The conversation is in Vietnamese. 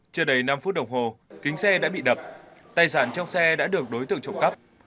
chưa đầy năm phút đồng hồ kính xe đã bị đập tài sản trong xe đã được đối tượng trộm cắp